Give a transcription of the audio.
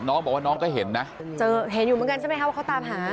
น้องบอกว่าน้องก็เห็นนะเจอเห็นอยู่เหมือนกันใช่ไหมคะว่าเขาตามหา